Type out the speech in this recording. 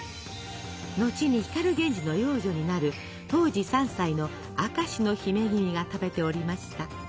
後に光源氏の養女になる当時３歳の明石の姫君が食べておりました。